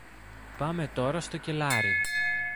Πάμε τώρα στο κελάρι.